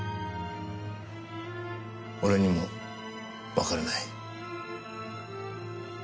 俺にもわからない。